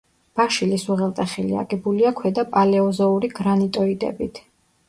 ბაშილის უღელტეხილი აგებულია ქვედა პალეოზოური გრანიტოიდებით.